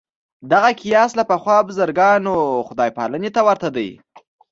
دغه قیاس له پخوا بزګرانو خدای پالنې ته ورته دی.